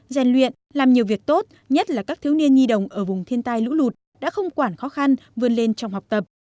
gian luyện làm nhiều việc tốt nhất là các thiếu niên nhi đồng ở vùng thiên tai lũ lụt đã không quản khó khăn vươn lên trong học tập